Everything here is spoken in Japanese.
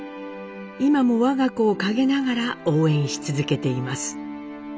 今も我が子を陰ながら応援し続けています。